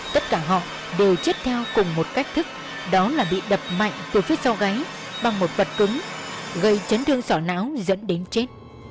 tất cả họ đều chết theo cùng một cách thức đó là bị đập mạnh từ phía sau gáy bằng một vật cứng gây chấn thương sỏ não dẫn đến chết